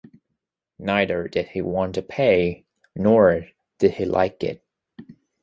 Neither did he want to pay, nor did he like it.